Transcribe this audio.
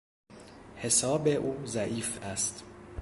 حساب او ضعیف است.